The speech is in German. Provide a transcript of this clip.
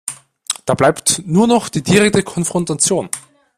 Dann bleibt nur noch die direkte Konfrontation.